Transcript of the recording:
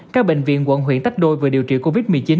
các bệnh viện quận huyện tách đôi vừa điều trị covid một mươi chín